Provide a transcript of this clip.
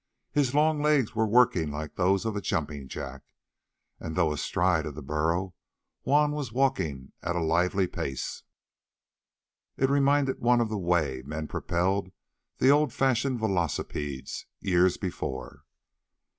His long legs were working like those of a jumping jack, and though astride of the burro, Juan was walking at a lively pace. It reminded one of the way men propelled the old fashioned velocipedes years before.